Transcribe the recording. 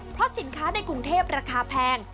เพราะสินค้าในกรุงเทพราคาแพง